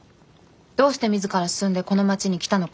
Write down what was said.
どうしてみずから進んでこの町に来たのか。